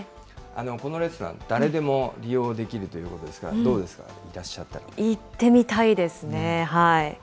このレストラン、誰でも利用できるということですから、どう行ってみたいですね。